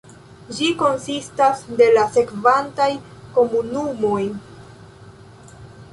Ĝi konsistas de la sekvantaj komunumoj.